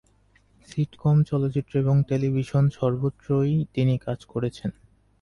Sitcom, চলচ্চিত্র এবং television সর্বত্রই তিনি কাজ করেছেন।